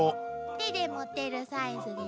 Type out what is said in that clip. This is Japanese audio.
手で持てるサイズですよ。